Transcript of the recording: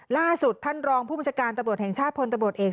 ล่าสุดท่านรองผู้บัญชาการตำรวจแห่งชาติพลตำรวจเอก